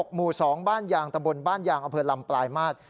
๑๐๖หมู่๒บ้านยางตำบลบ้านยางอเภอรำปลายมาตร